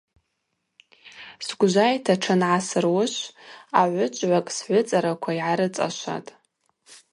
Сгвжвайта тшангӏасыруышв агӏвычӏвгӏвакӏ сгӏвыцӏараква йгӏарыцӏашватӏ.